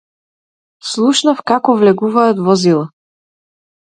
Слушнав како влегуваат возила.